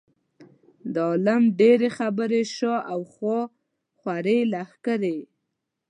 د عالم ډېرې خبرې شا او خوا خورې لښکرې.